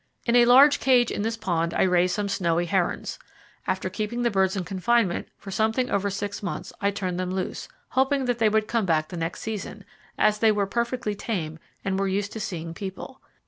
In a large cage in this pond, I raised some snowy herons. After keeping the birds in confinement for something over six months I turned them loose, hoping that they would come back the next season, as they were perfectly tame and were used to seeing people.